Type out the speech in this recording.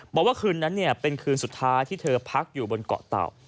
บอกว่าคืนนั้นเป็นคืนสุดท้ายที่เธอพักอยู่บนเกาะเต่า